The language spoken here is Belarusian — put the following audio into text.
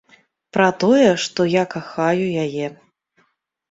Пра тое, што я кахаю яе.